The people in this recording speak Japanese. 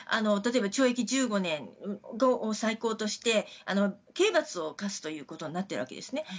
例えば、懲役１５年を最高として刑罰を科すということになっているわけですね。